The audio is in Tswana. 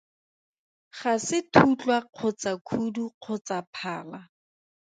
Ga se thutlwa kgotsa khudu kgotsa phala.